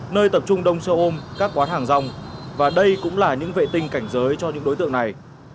nơi tập trung đông xe ôm các quán hàng rong và đây cũng là những vệ tinh cảnh giới cho những đối tượng này